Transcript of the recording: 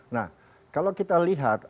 nah kalau kita lihat